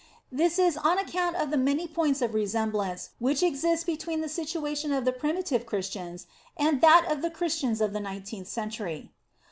This is on account of the many points of resemblance which exist between the situa tion of the primitive Christians, and that of the Christians of the nineteenth century.